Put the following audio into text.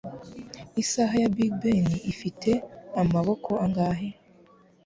Isaha ya Big Ben ifite amaboko angahe?